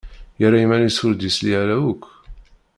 Yerra iman-is ur d-yesli ara akk.